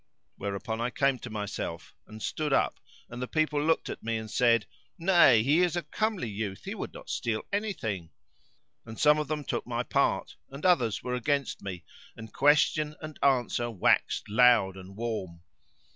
Whereupon I came to myself and stood up, and the people looked at me and said, "Nay, he is a comely youth: he would not steal anything;" and some of them took my part and others were against me and question and answer waxed loud and warm.